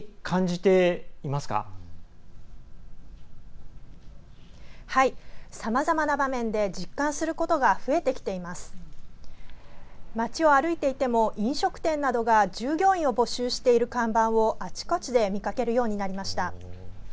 街を歩いていても、飲食店などが従業員などを募集している看板をあちこちで見かけるようになりました。